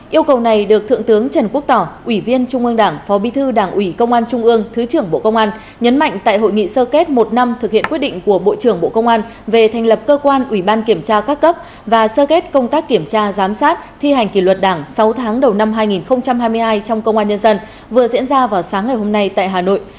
yêu cầu này được thượng tướng trần quốc tỏ ủy viên trung ương đảng phó bi thư đảng ủy công an trung ương thứ trưởng bộ công an nhấn mạnh tại hội nghị sơ kết một năm thực hiện quyết định của bộ trưởng bộ công an về thành lập cơ quan ủy ban kiểm tra các cấp và sơ kết công tác kiểm tra giám sát thi hành kỷ luật đảng sáu tháng đầu năm hai nghìn hai mươi hai trong công an nhân dân vừa diễn ra vào sáng ngày hôm nay tại hà nội